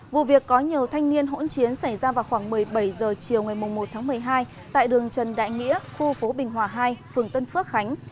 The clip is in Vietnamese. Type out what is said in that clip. vụ việc có nhiều thanh niên hỗn chiến xảy ra vào khoảng một mươi bảy h chiều ngày một tháng một mươi hai tại đường trần đại nghĩa khu phố bình hòa hai phường tân phước khánh